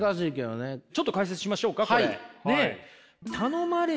ちょっと解説しましょうかこれ。